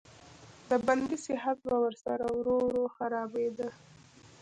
د بندي صحت به ورسره ورو ورو خرابېده.